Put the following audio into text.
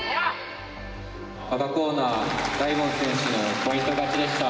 「赤コーナー大門選手のポイント勝ちでした」。